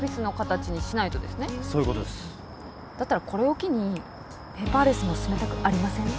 だったらこれを機にペーパーレスも進めたくありません？